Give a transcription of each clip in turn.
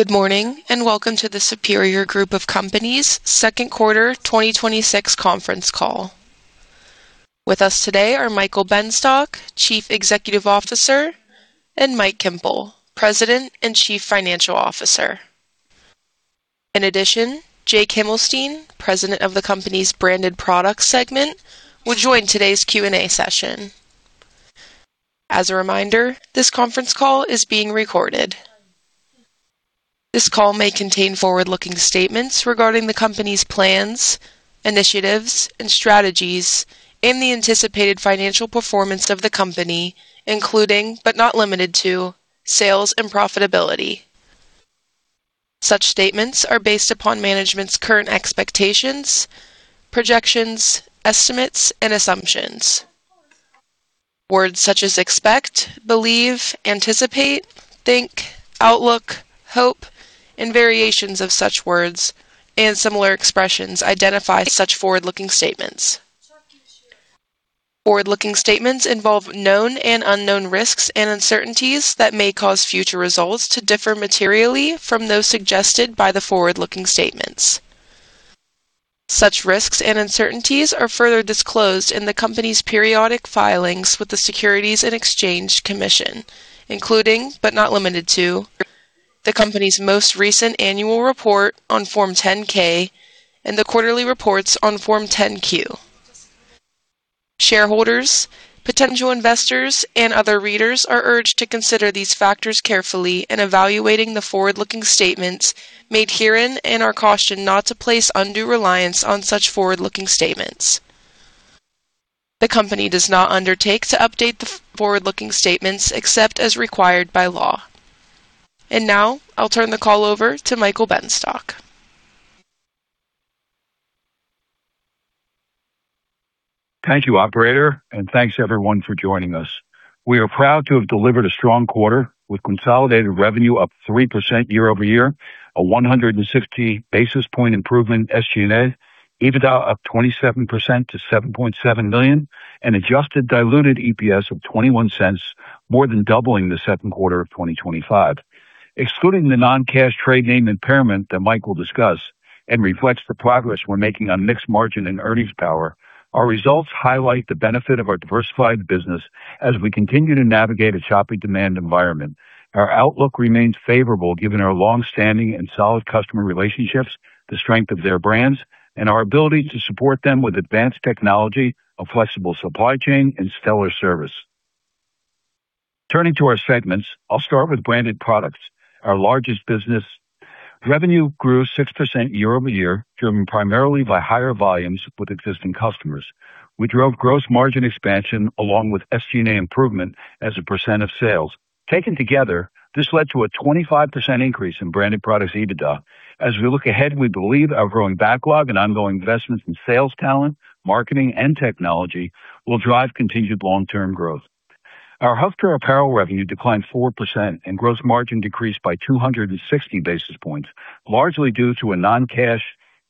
Good morning. Welcome to the Superior Group of Companies second quarter 2026 conference call. With us today are Michael Benstock, Chief Executive Officer, and Mike Kemple, President and Chief Financial Officer. In addition, Jake Himelstein, President of the company's Branded Products segment, will join today's Q&A session. As a reminder, this conference call is being recorded. This call may contain forward-looking statements regarding the company's plans, initiatives, and strategies, and the anticipated financial performance of the company, including, but not limited to, sales and profitability. Such statements are based upon management's current expectations, projections, estimates, and assumptions. Words such as expect, believe, anticipate, think, outlook, hope, and variations of such words and similar expressions identify such forward-looking statements. Forward-looking statements involve known and unknown risks and uncertainties that may cause future results to differ materially from those suggested by the forward-looking statements. Such risks and uncertainties are further disclosed in the company's periodic filings with the Securities and Exchange Commission, including, but not limited to, the company's most recent annual report on Form 10-K and the quarterly reports on Form 10-Q. Shareholders, potential investors, and other readers are urged to consider these factors carefully in evaluating the forward-looking statements made herein and are cautioned not to place undue reliance on such forward-looking statements. The company does not undertake to update the forward-looking statements except as required by law. Now I'll turn the call over to Michael Benstock. Thank you, operator, and thanks, everyone, for joining us. We are proud to have delivered a strong quarter with consolidated revenue up 3% year-over-year, a 160 basis point improvement in SG&A, EBITDA up 27% to $7.7 million, and adjusted diluted EPS of $0.21, more than doubling the second quarter of 2025. Excluding the non-cash trade name impairment that Mike will discuss and reflects the progress we're making on mixed margin and earnings power, our results highlight the benefit of our diversified business as we continue to navigate a choppy demand environment. Our outlook remains favorable given our longstanding and solid customer relationships, the strength of their brands, and our ability to support them with advanced technology, a flexible supply chain, and stellar service. Turning to our segments, I'll start with Branded Products, our largest business. Revenue grew 6% year-over-year, driven primarily by higher volumes with existing customers. We drove gross margin expansion along with SG&A improvement as a % of sales. Taken together, this led to a 25% increase in Branded Products EBITDA. We look ahead, we believe our growing backlog and ongoing investments in sales talent, marketing, and technology will drive continued long-term growth. Our Healthcare Apparel revenue declined 4%, and gross margin decreased by 260 basis points, largely due to a non-cash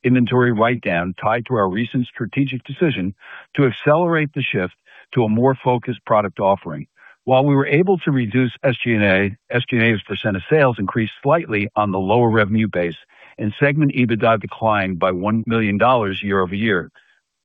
inventory write-down tied to our recent strategic decision to accelerate the shift to a more focused product offering. While we were able to reduce SG&A, SG&A as a % of sales increased slightly on the lower revenue base, and segment EBITDA declined by $1 million year-over-year.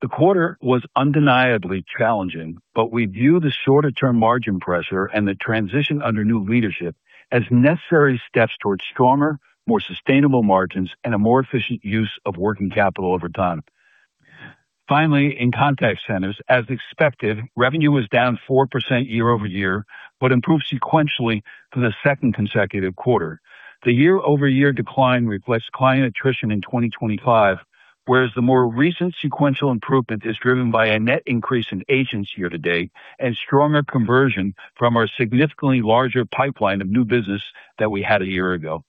The quarter was undeniably challenging, but we view the shorter-term margin pressure and the transition under new leadership as necessary steps towards stronger, more sustainable margins and a more efficient use of working capital over time. Finally, in Contact Centers, as expected, revenue was down 4% year-over-year but improved sequentially for the second consecutive quarter. The year-over-year decline reflects client attrition in 2025, whereas the more recent sequential improvement is driven by a net increase in agents year-to-date and stronger conversion from our significantly larger pipeline of new business that we had a year ago.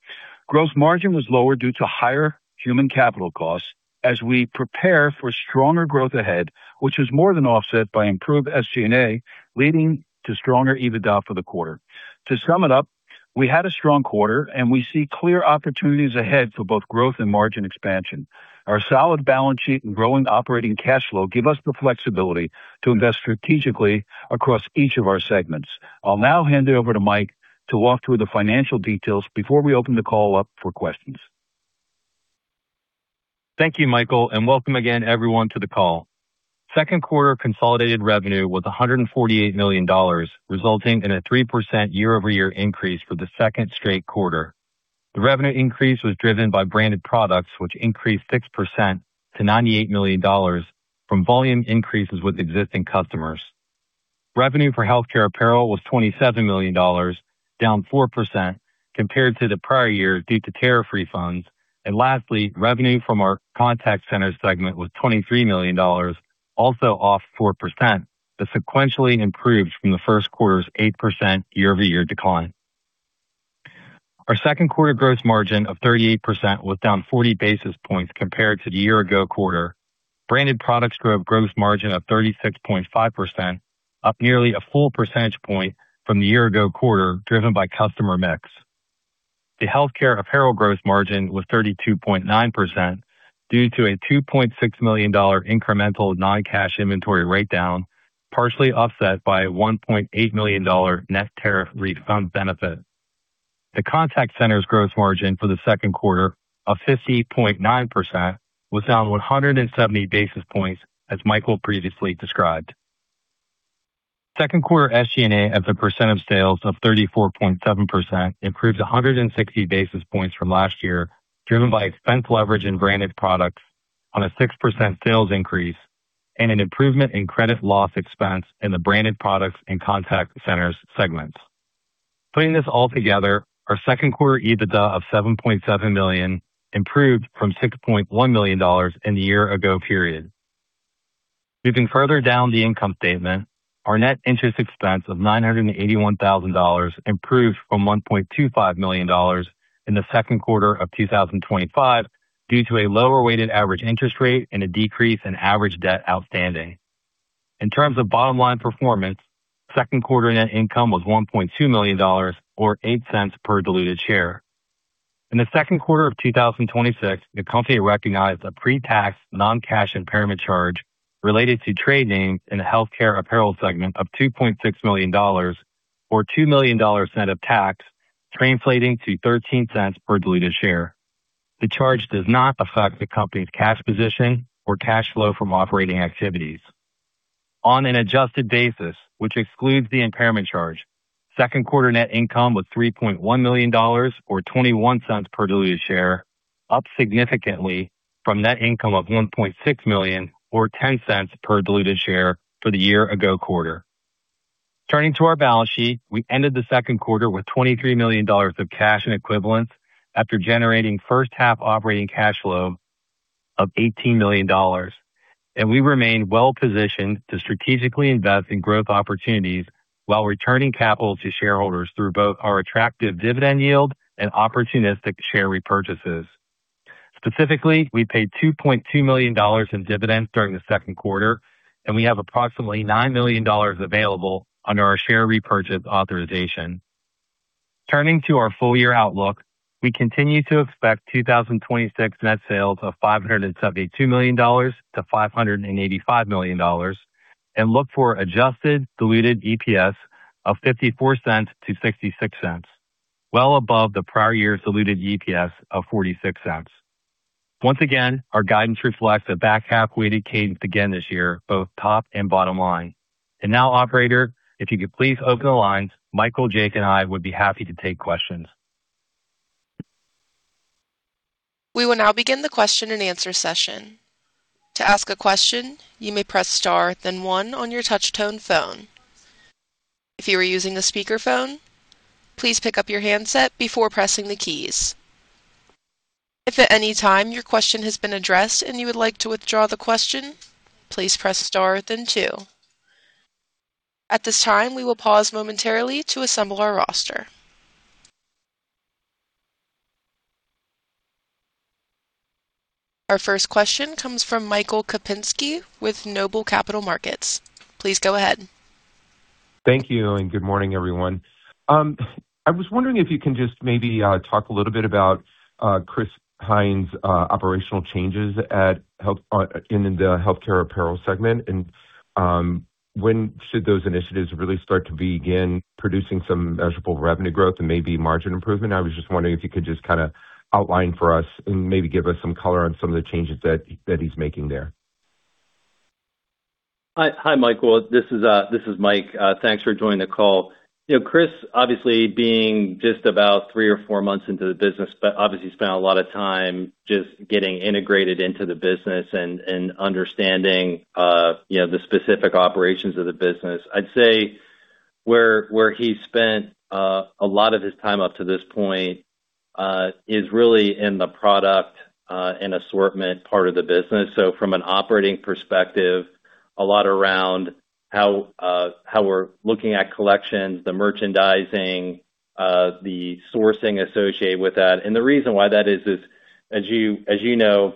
Gross margin was lower due to higher human capital costs as we prepare for stronger growth ahead, which was more than offset by improved SG&A, leading to stronger EBITDA for the quarter. To sum it up, we had a strong quarter, and we see clear opportunities ahead for both growth and margin expansion. Our solid balance sheet and growing operating cash flow give us the flexibility to invest strategically across each of our segments. I'll now hand it over to Mike to walk through the financial details before we open the call up for questions. Thank you, Michael, and welcome again, everyone, to the call. Second quarter consolidated revenue was $148 million, resulting in a 3% year-over-year increase for the second straight quarter. The revenue increase was driven by Branded Products, which increased 6% to $98 million from volume increases with existing customers. Revenue for Healthcare Apparel was $27 million, down 4% compared to the prior year due to tariff refunds. Lastly, revenue from our Contact Centers segment was $23 million, also off 4%, but sequentially improved from the first quarter's 8% year-over-year decline. Our second quarter gross margin of 38% was down 40 basis points compared to the year ago quarter. Branded Products grew a gross margin of 36.5%, up nearly a full percentage point from the year ago quarter, driven by customer mix. The Healthcare Apparel gross margin was 32.9% due to a $2.6 million incremental non-cash inventory write-down, partially offset by a $1.8 million net tariff refund benefit. The Contact Centers gross margin for the second quarter of 50.9% was down 170 basis points, as Michael previously described. Second quarter SG&A as a percent of sales of 34.7% improved 160 basis points from last year, driven by expense leverage in Branded Products on a 6% sales increase and an improvement in credit loss expense in the Branded Products and Contact Centers segments. Putting this all together, our second quarter EBITDA of $7.7 million improved from $6.1 million in the year ago period. Moving further down the income statement, our net interest expense of $981,000 improved from $1.25 million in the second quarter of 2025 due to a lower weighted average interest rate and a decrease in average debt outstanding. In terms of bottom line performance, second quarter net income was $1.2 million, or $0.08 per diluted share. In the second quarter of 2026, the company recognized a pre-tax non-cash impairment charge related to trade names in the Healthcare Apparel segment of $2.6 million, or $2 million net of tax, translating to $0.13 per diluted share. The charge does not affect the company's cash position or cash flow from operating activities. On an adjusted basis, which excludes the impairment charge, second quarter net income was $3.1 million, or $0.21 per diluted share, up significantly from net income of $1.6 million or $0.10 per diluted share for the year ago quarter. Turning to our balance sheet, we ended the second quarter with $23 million of cash and equivalents after generating first half operating cash flow of $18 million. We remain well positioned to strategically invest in growth opportunities while returning capital to shareholders through both our attractive dividend yield and opportunistic share repurchases. Specifically, we paid $2.2 million in dividends during the second quarter. We have approximately $9 million available under our share repurchase authorization. Turning to our full year outlook, we continue to expect 2026 net sales of $572 million-$585 million and look for adjusted diluted EPS of $0.54-$0.66, well above the prior year's diluted EPS of $0.46. Once again, our guidance reflects a back half weighted cadence again this year, both top and bottom line. Now, operator, if you could please open the lines, Michael, Jake, and I would be happy to take questions. We will now begin the question and answer session. To ask a question, you may press star, then one on your touchtone phone. If you are using a speakerphone, please pick up your handset before pressing the keys. If at any time your question has been addressed and you would like to withdraw the question, please press star then two. At this time, we will pause momentarily to assemble our roster. Our first question comes from Michael Kupinski with Noble Capital Markets. Please go ahead. Thank you, and good morning, everyone. I was wondering if you can just maybe talk a little bit about Chris Hine's operational changes in the Healthcare Apparel segment, and when should those initiatives really start to begin producing some measurable revenue growth and maybe margin improvement? I was just wondering if you could just kind of outline for us and maybe give us some color on some of the changes that he's making there. Hi, Michael. This is Mike. Thanks for joining the call. Chris, obviously being just about three or four months into the business, obviously spent a lot of time just getting integrated into the business and understanding the specific operations of the business. I'd say where he spent a lot of his time up to this point is really in the product and assortment part of the business. From an operating perspective, a lot around how we're looking at collections, the merchandising, the sourcing associated with that. The reason why that is, as you know,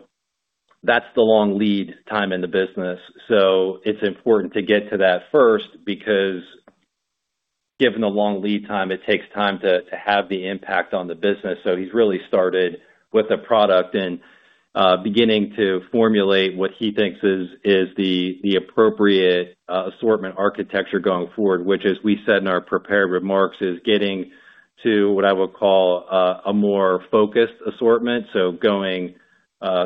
that's the long lead time in the business. It's important to get to that first, because given the long lead time, it takes time to have the impact on the business. He's really started with a product and beginning to formulate what he thinks is the appropriate assortment architecture going forward, which, as we said in our prepared remarks, is getting to what I would call a more focused assortment. Going,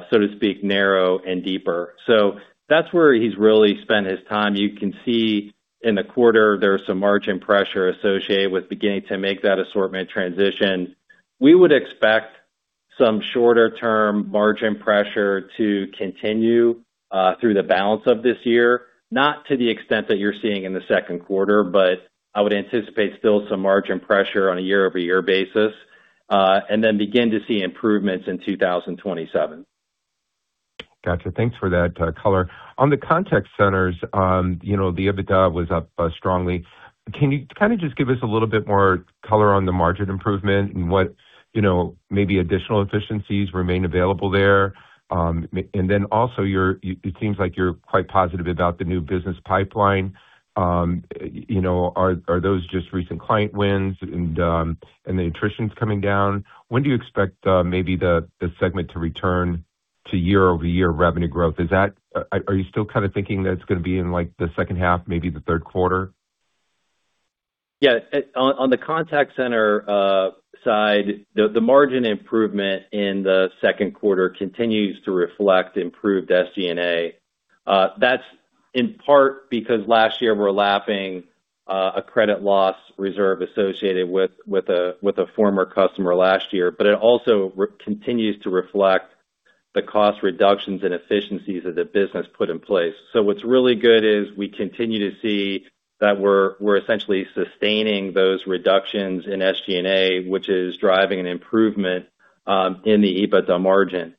so to speak, narrow and deeper. That's where he's really spent his time. You can see in the quarter there's some margin pressure associated with beginning to make that assortment transition. We would expect some shorter term margin pressure to continue through the balance of this year, not to the extent that you're seeing in the second quarter, but I would anticipate still some margin pressure on a year-over-year basis, and then begin to see improvements in 2027. Got you. Thanks for that color. On the Contact Centers, the EBITDA was up strongly. Can you kind of just give us a little bit more color on the margin improvement and what maybe additional efficiencies remain available there? Then also, it seems like you're quite positive about the new business pipeline. Are those just recent client wins and the attrition's coming down? When do you expect maybe the segment to return to year-over-year revenue growth? Are you still thinking that it's going to be in the second half, maybe the third quarter? Yeah. On the Contact Centers side, the margin improvement in the second quarter continues to reflect improved SG&A. That's in part because last year we're lapping a credit loss reserve associated with a former customer last year, but it also continues to reflect the cost reductions and efficiencies that the business put in place. What's really good is we continue to see that we're essentially sustaining those reductions in SG&A, which is driving an improvement in the EBITDA margin.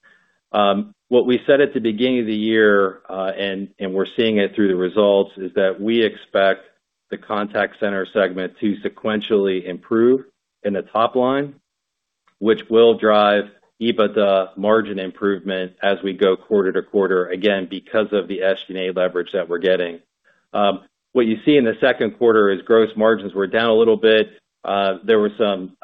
We said at the beginning of the year, we're seeing it through the results, is that we expect the Contact Centers segment to sequentially improve in the top line, which will drive EBITDA margin improvement as we go quarter-to-quarter, again, because of the SG&A leverage that we're getting. What you see in the second quarter is gross margins were down a little bit. There were some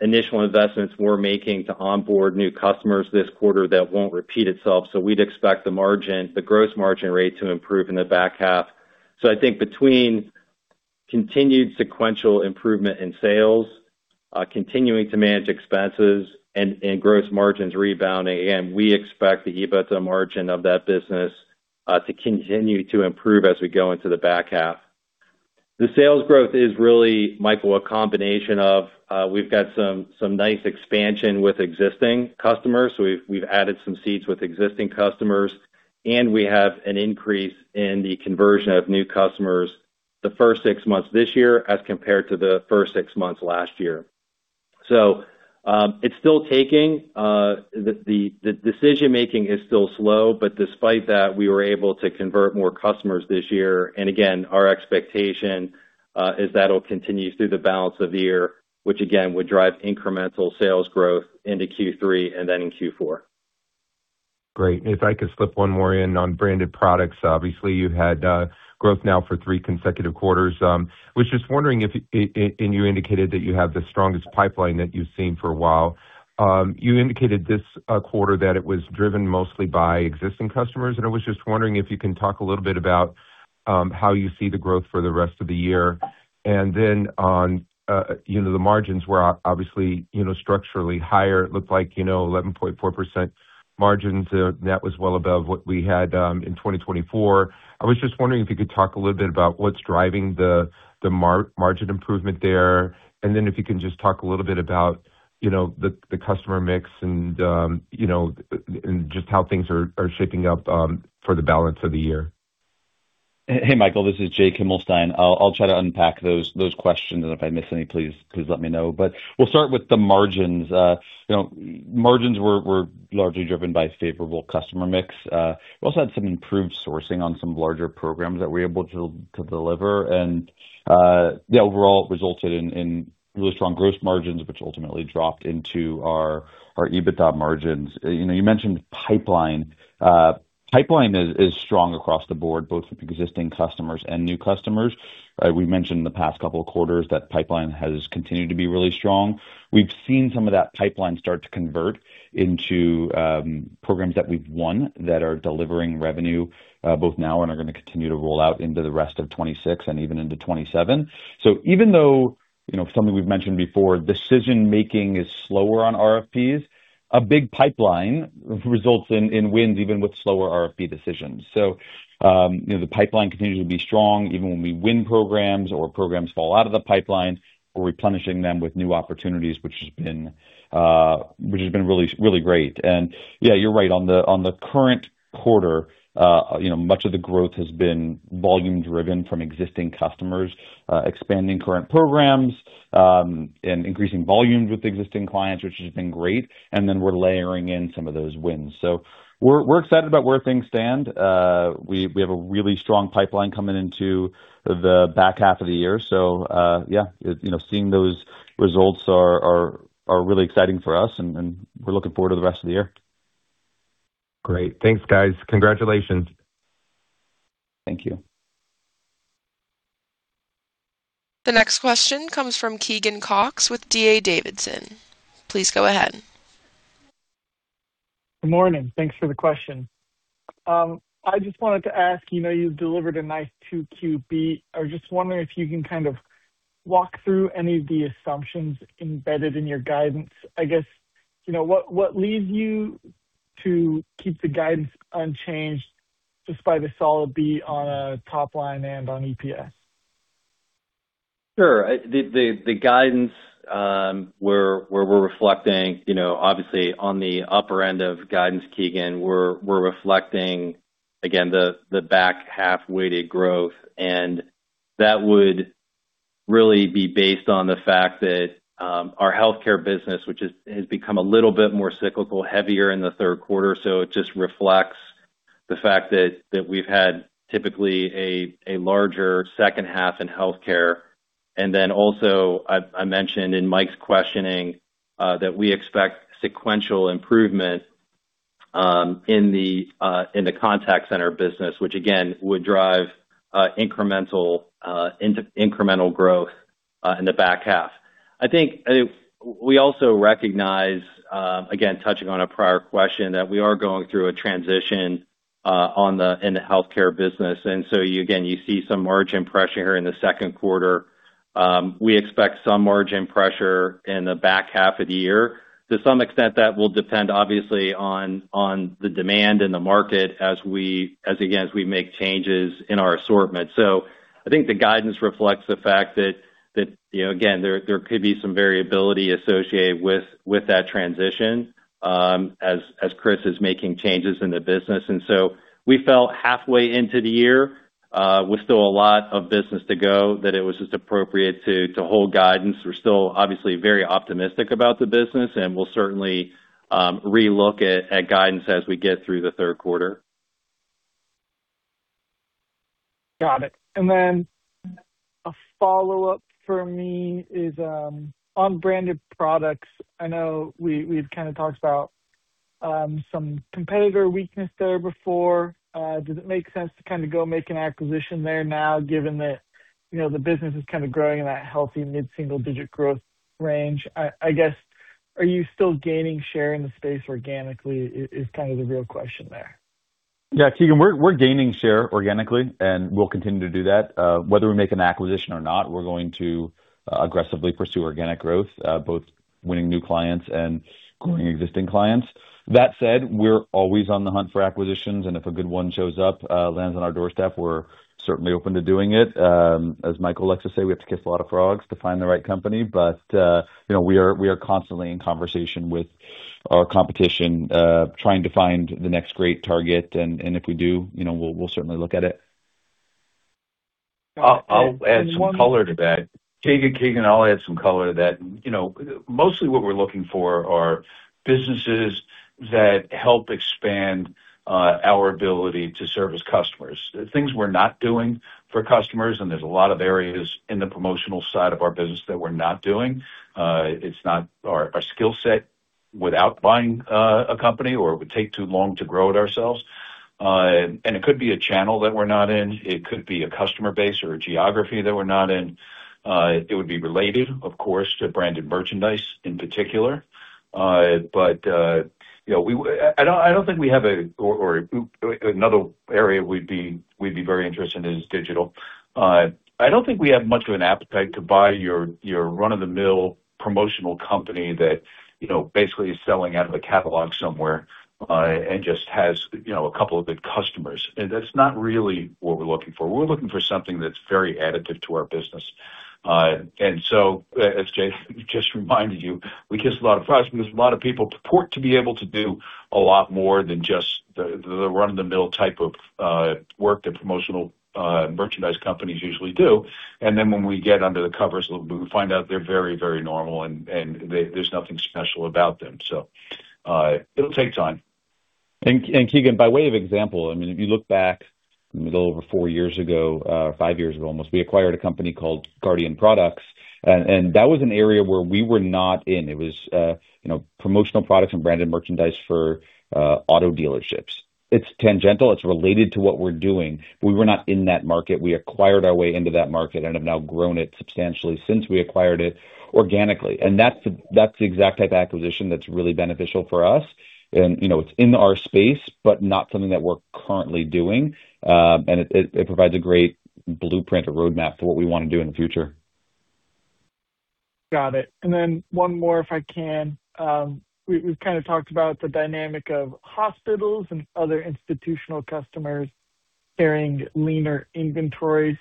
initial investments we're making to onboard new customers this quarter that won't repeat itself. We'd expect the gross margin rate to improve in the back half. I think between continued sequential improvement in sales, continuing to manage expenses and gross margins rebounding again, we expect the EBITDA margin of that business to continue to improve as we go into the back half. The sales growth is really, Michael, a combination of, we've got some nice expansion with existing customers, we've added some seats with existing customers, we have an increase in the conversion of new customers the first six months this year as compared to the first six months last year. It's still taking. The decision-making is still slow, despite that, we were able to convert more customers this year. Again, our expectation is that'll continue through the balance of the year, which again, would drive incremental sales growth into Q3 and then in Q4. Great. If I could slip one more in on Branded Products. Obviously, you've had growth now for three consecutive quarters. You indicated that you have the strongest pipeline that you've seen for a while. You indicated this quarter that it was driven mostly by existing customers, I was just wondering if you can talk a little bit about how you see the growth for the rest of the year, then on the margins were obviously structurally higher. It looked like 11.4% margins. That was well above what we had in 2024. I was just wondering if you could talk a little bit about what's driving the margin improvement there, then if you can just talk a little bit about the customer mix and just how things are shaping up for the balance of the year. Hey, Michael, this is Jake Himelstein. I'll try to unpack those questions, and if I miss any, please let me know. We'll start with the margins. Margins were largely driven by favorable customer mix. We also had some improved sourcing on some larger programs that we're able to deliver, and the overall resulted in really strong gross margins, which ultimately dropped into our EBITDA margins. You mentioned pipeline. Pipeline is strong across the board, both with existing customers and new customers. We've mentioned the past couple of quarters that pipeline has continued to be really strong. We've seen some of that pipeline start to convert into programs that we've won that are delivering revenue both now and are going to continue to roll out into the rest of 2026 and even into 2027. Even though something we've mentioned before, decision-making is slower on RFPs, a big pipeline results in wins even with slower RFP decisions. The pipeline continues to be strong even when we win programs or programs fall out of the pipeline. We're replenishing them with new opportunities, which has been really great. Yeah, you're right. On the current quarter, much of the growth has been volume-driven from existing customers, expanding current programs, and increasing volumes with existing clients, which has been great. We're layering in some of those wins. We're excited about where things stand. We have a really strong pipeline coming into the back half of the year. Yeah, seeing those results are really exciting for us, and we're looking forward to the rest of the year. Great. Thanks, guys. Congratulations. Thank you. The next question comes from Keegan Cox with D.A. Davidson. Please go ahead. Good morning. Thanks for the question. I just wanted to ask, you've delivered a nice 2Q beat. I was just wondering if you can kind of walk through any of the assumptions embedded in your guidance. I guess, what leads you to keep the guidance unchanged despite a solid beat on a top line and on EPS? Sure. The guidance, where we're reflecting, obviously on the upper end of guidance, Keegan, we're reflecting again, the back half weighted growth. That would really be based on the fact that our healthcare business, which has become a little bit more cyclical, heavier in the third quarter. It just reflects the fact that we've had typically a larger second half in healthcare. Also, I mentioned in Mike's questioning, that we expect sequential improvement in the contact center business, which again, would drive incremental growth in the back half. I think we also recognize, again, touching on a prior question, that we are going through a transition in the healthcare business. Again, you see some margin pressure here in the second quarter. We expect some margin pressure in the back half of the year. To some extent, that will depend, obviously, on the demand in the market as, again, as we make changes in our assortment. I think the guidance reflects the fact that, again, there could be some variability associated with that transition as Chris is making changes in the business. We felt halfway into the year, with still a lot of business to go, that it was just appropriate to hold guidance. We're still obviously very optimistic about the business, and we'll certainly re-look at guidance as we get through the third quarter. Got it. A follow-up from me is on Branded Products. I know we've kind of talked about some competitor weakness there before. Does it make sense to go make an acquisition there now given that the business is kind of growing in that healthy mid-single digit growth range? I guess, are you still gaining share in the space organically is kind of the real question there. Yeah, Keegan, we're gaining share organically, and we'll continue to do that. Whether we make an acquisition or not, we're going to aggressively pursue organic growth, both winning new clients and growing existing clients. That said, we're always on the hunt for acquisitions, and if a good one shows up, lands on our doorstep, we're certainly open to doing it. As Michael likes to say, we have to kiss a lot of frogs to find the right company. We are constantly in conversation with our competition, trying to find the next great target. If we do, we'll certainly look at it. I'll add some color to that. Keegan, I'll add some color to that. Mostly what we're looking for are businesses that help expand our ability to service customers, things we're not doing for customers, and there's a lot of areas in the promotional side of our business that we're not doing. It's not our skill set without buying a company, or it would take too long to grow it ourselves. It could be a channel that we're not in. It could be a customer base or a geography that we're not in. It would be related, of course, to branded merchandise in particular. Another area we'd be very interested in is digital. I don't think we have much of an appetite to buy your run-of-the-mill promotional company that basically is selling out of a catalog somewhere and just has a couple of good customers. That's not really what we're looking for. We're looking for something that's very additive to our business. As Jake just reminded you, we kiss a lot of frogs because a lot of people purport to be able to do a lot more than just the run-of-the-mill type of work that promotional merchandise companies usually do. When we get under the covers, we find out they're very normal and there's nothing special about them. It'll take time. Keegan, by way of example, if you look back a little over four years ago, five years almost, we acquired a company called Guardian Products, and that was an area where we were not in. It was promotional products and branded merchandise for auto dealerships. It's tangential. It's related to what we're doing, but we were not in that market. We acquired our way into that market and have now grown it substantially since we acquired it organically. That's the exact type of acquisition that's really beneficial for us. It's in our space, but not something that we're currently doing. It provides a great blueprint or roadmap for what we want to do in the future. Got it. One more, if I can. We've kind of talked about the dynamic of hospitals and other institutional customers carrying leaner inventories.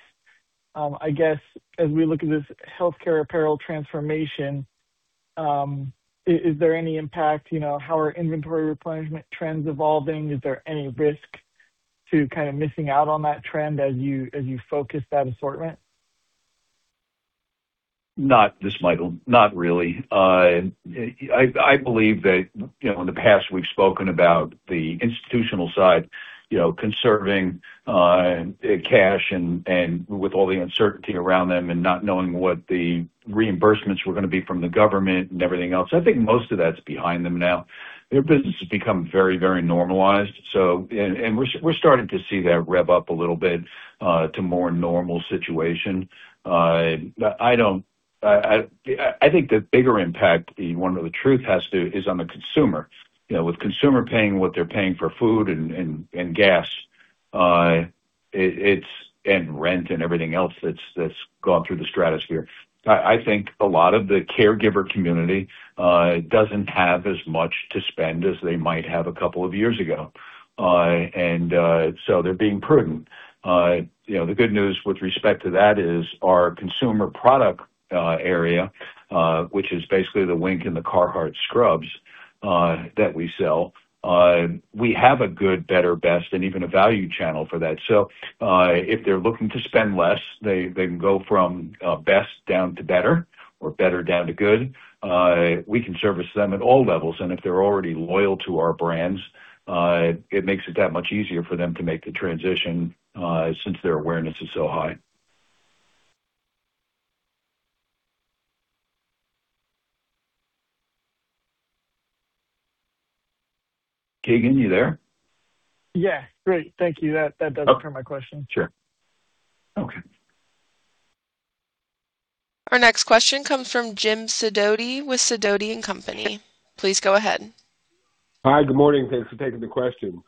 I guess as we look at this Healthcare Apparel transformation, is there any impact? How are inventory replenishment trends evolving? Is there any risk to kind of missing out on that trend as you focus that assortment? This is Michael. Not really. I believe that in the past we've spoken about the institutional side conserving cash and with all the uncertainty around them and not knowing what the reimbursements were going to be from the government and everything else. I think most of that's behind them now. Their business has become very normalized. We're starting to see that rev up a little bit to a more normal situation. I think the bigger impact, the one with the truth, has to is on the consumer. With consumer paying what they're paying for food and gas and rent and everything else that's gone through the stratosphere. I think a lot of the caregiver community doesn't have as much to spend as they might have a couple of years ago. They're being prudent. The good news with respect to that is our consumer product area, which is basically the Wink and the Carhartt scrubs that we sell. We have a good, better, best, and even a value channel for that. If they're looking to spend less, they can go from best down to better or better down to good. We can service them at all levels, and if they're already loyal to our brands, it makes it that much easier for them to make the transition since their awareness is so high. Keegan, you there? Yeah. Great. Thank you. That does it for my question. Sure. Okay. Our next question comes from James Sidoti with Sidoti & Company. Please go ahead. Hi. Good morning. Thanks for taking the question.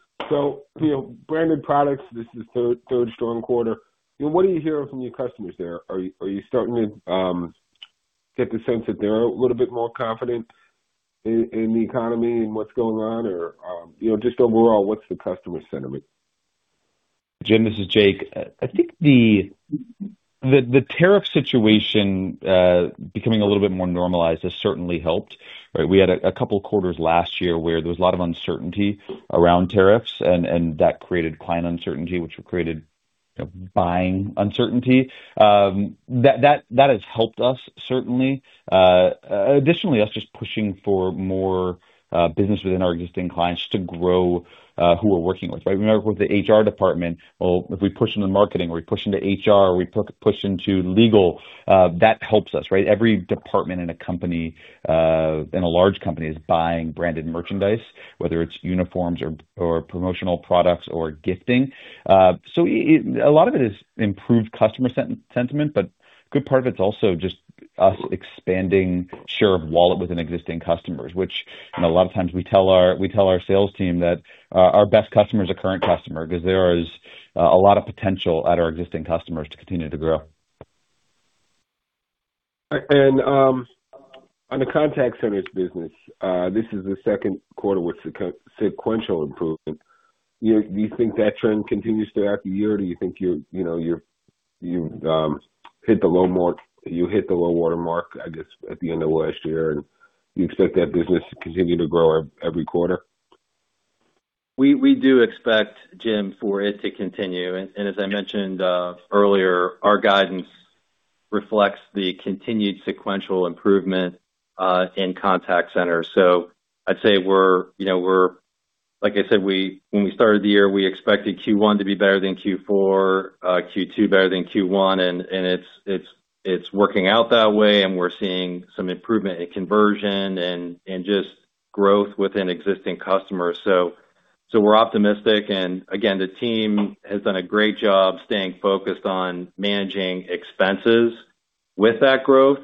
Branded Products, this is the third strong quarter. What are you hearing from your customers there? Are you starting to get the sense that they're a little bit more confident in the economy and what's going on? Just overall, what's the customer sentiment? Jim, this is Jake. I think the tariff situation becoming a little bit more normalized has certainly helped, right? We had a couple of quarters last year where there was a lot of uncertainty around tariffs, that created client uncertainty, which created buying uncertainty. That has helped us certainly. Additionally, us just pushing for more business within our existing clients to grow who we're working with, right? We work with the HR department, or if we push into marketing, or we push into HR, or we push into legal, that helps us, right? Every department in a large company is buying branded merchandise, whether it's uniforms or promotional products or gifting. A lot of it is improved customer sentiment, but good part of it's also just us expanding share of wallet within existing customers, which a lot of times we tell our sales team that our best customer is a current customer because there is a lot of potential at our existing customers to continue to grow. On the Contact Centers business, this is the second quarter with sequential improvement. Do you think that trend continues throughout the year? Do you think you hit the low-water mark, I guess, at the end of last year, and you expect that business to continue to grow every quarter? We do expect, Jim, for it to continue. As I mentioned earlier, our guidance reflects the continued sequential improvement in Contact Centers. I'd say, like I said, when we started the year, we expected Q1 to be better than Q4, Q2 better than Q1. It's working out that way, and we're seeing some improvement in conversion and just growth within existing customers. We're optimistic, again, the team has done a great job staying focused on managing expenses with that growth.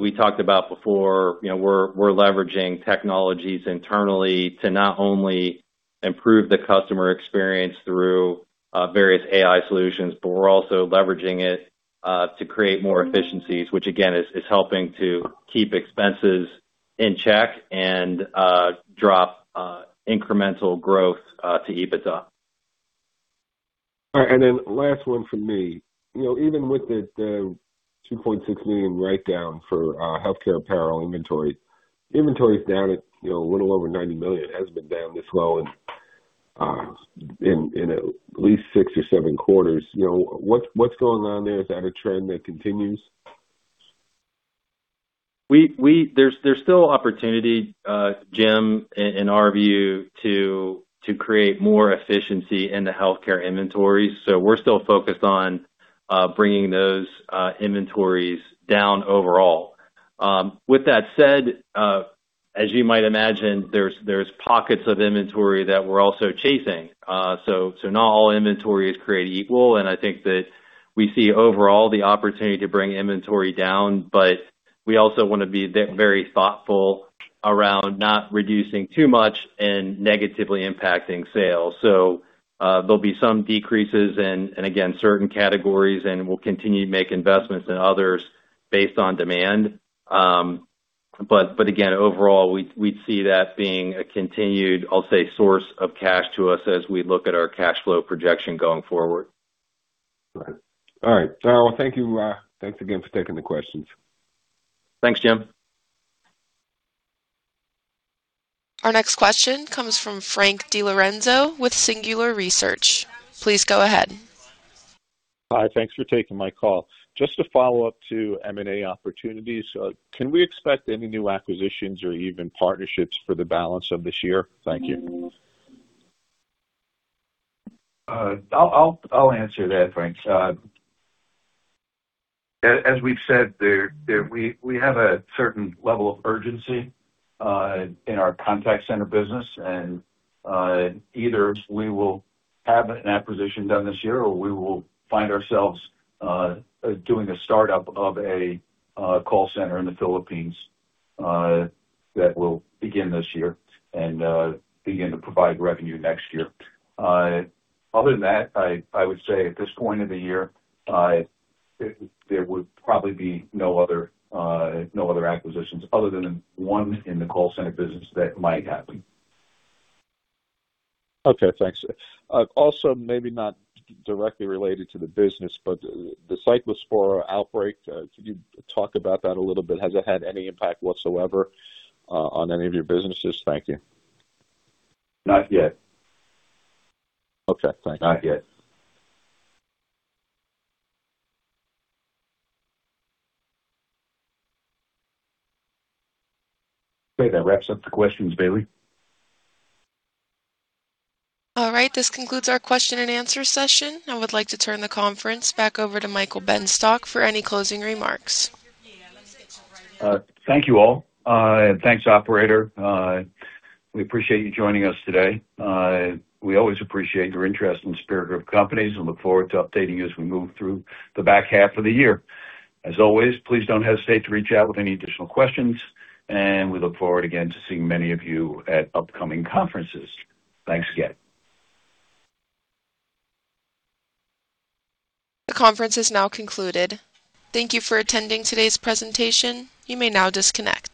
We talked about before, we're leveraging technologies internally to not only improve the customer experience through various AI solutions, but we're also leveraging it to create more efficiencies, which again, is helping to keep expenses in check and drop incremental growth to EBITDA. All right. Last one from me. Even with the $2.6 million write-down for Healthcare Apparel inventory's down at little over $90 million. It hasn't been down this low in at least six or seven quarters. What's going on there? Is that a trend that continues? There's still opportunity, Jim, in our view, to create more efficiency in the healthcare inventory. We're still focused on bringing those inventories down overall. With that said, as you might imagine, there's pockets of inventory that we're also chasing. Not all inventory is created equal, and I think that we see overall the opportunity to bring inventory down, but we also want to be very thoughtful around not reducing too much and negatively impacting sales. There'll be some decreases in, again, certain categories, and we'll continue to make investments in others based on demand. Again, overall, we'd see that being a continued, I'll say, source of cash to us as we look at our cash flow projection going forward. All right. Well, thank you. Thanks again for taking the questions. Thanks, Jim. Our next question comes from Frank DiLorenzo with Singular Research. Please go ahead. Hi. Thanks for taking my call. Just a follow-up to M&A opportunities. Can we expect any new acquisitions or even partnerships for the balance of this year? Thank you. I'll answer that, Frank. As we've said, we have a certain level of urgency in our Contact Centers business, and either we will have an acquisition done this year, or we will find ourselves doing a startup of a call center in the Philippines that will begin this year and begin to provide revenue next year. Other than that, I would say at this point of the year, there would probably be no other acquisitions other than one in the call center business that might happen. Okay. Thanks. Also, maybe not directly related to the business, but the Cyclospora outbreak, could you talk about that a little bit? Has it had any impact whatsoever on any of your businesses? Thank you. Not yet. Okay. Thanks. Not yet. Okay. That wraps up the questions, Bailey. All right. This concludes our question and answer session. I would like to turn the conference back over to Michael Benstock for any closing remarks. Thank you all. Thanks, operator. We appreciate you joining us today. We always appreciate your interest in Superior Group of Companies and look forward to updating you as we move through the back half of the year. As always, please don't hesitate to reach out with any additional questions, and we look forward again to seeing many of you at upcoming conferences. Thanks again. The conference is now concluded. Thank you for attending today's presentation. You may now disconnect.